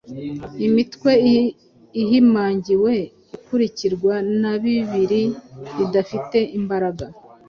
imitwe ihimangiwe ikurikirwa na bibiri bidafite imbaraga